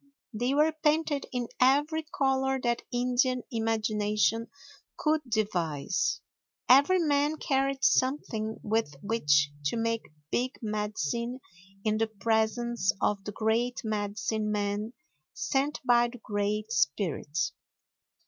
They were painted in every color that Indian imagination could devise. Every man carried something with which to make big medicine in the presence of the great medicine man sent by the great spirit.